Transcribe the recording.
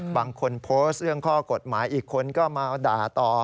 บางคนโพสต์เรื่องข้อกฎหมายอีกคนก็มาด่าต่อ